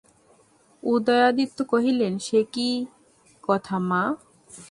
উদয়াদিত্য কহিলেন, সে কী কথা মা।